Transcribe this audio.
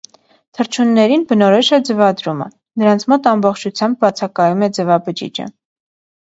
Թռչուններին բնորոշ է ձվադրումը, նրանց մոտ ամբողջությամբ բացակայում է ձվաբջիջը։